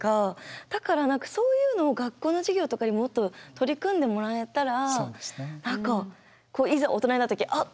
だから何かそういうのを学校の授業とかにもっと取り組んでもらえたら何かいざ大人になった時あっ